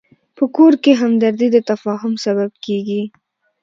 په کور کې همدردي د تفاهم سبب کېږي.